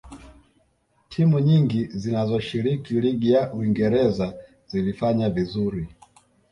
timu nyingi zinazoshiriki ligi ya uingereza zilifanya vizuri